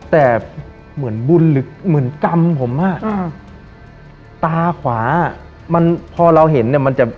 แต่เหมือนบุญหรือเหมือนกรรมผมอ่ะอ่าตาขวามันพอเราเห็นเนี่ยมันจะ